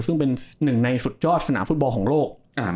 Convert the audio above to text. ซึ่งเป็นหนึ่งในสุดยอดสนามฟุตบอลของโลก